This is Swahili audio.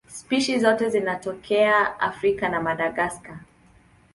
Spishi zote zinatokea Afrika na Madagaska.